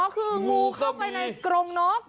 คืองูเข้าไปในกรงนก